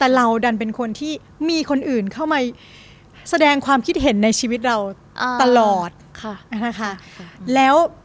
แต่เราดันเป็นคนที่มีคนอื่นเข้ามาแสดงความคิดเห็นในชีวิตเราตลอดค่ะนะคะแล้ว